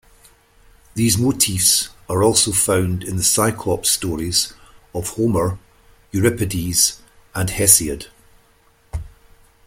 These motifs are also found in the cyclops stories of Homer, Euripides, and Hesiod.